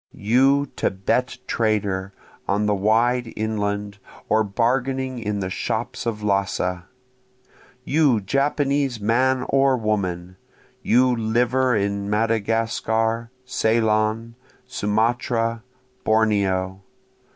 You Thibet trader on the wide inland or bargaining in the shops of Lassa! You Japanese man or woman! you liver in Madagascar, Ceylon, Sumatra, Borneo!